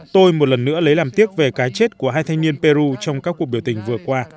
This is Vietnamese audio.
tôi một lần nữa lấy làm tiếc về cái chết của hai thanh niên peru trong các cuộc biểu tình vừa qua